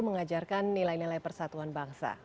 mengajarkan nilai nilai persatuan bangsa